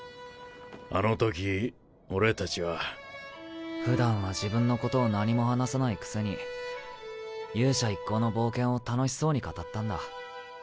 あの時俺たちは普段は自分のことを何も話さないくせに勇者一行の冒険を楽しそうに語ったんだ。